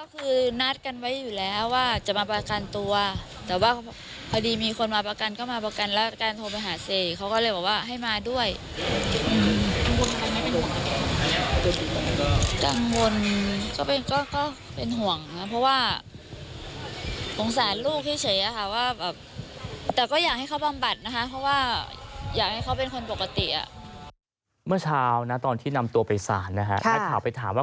เมื่อเช้าตอนที่นำตัวไปสารหน้าข่าวไปถามว่า